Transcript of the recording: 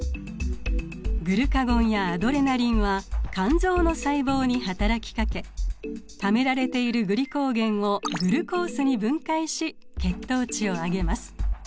グルカゴンやアドレナリンは肝臓の細胞に働きかけためられているグリコーゲンをグルコースに分解し血糖値を上げます。